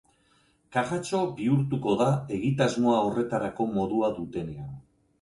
Kajatxo bihurtuko da egitasmoa horretarako modua dutenean.